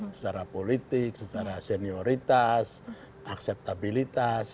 secara politik secara senioritas